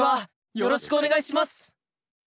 よろしくお願いします！